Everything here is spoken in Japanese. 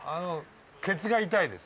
ケツが痛いです。